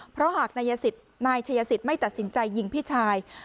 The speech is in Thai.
เพราะหากนายชัยสิทธิ์ไม่ตัดสินใจยิงพี่ชาย